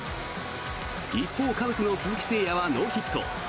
一方、カブスの鈴木誠也はノーヒット。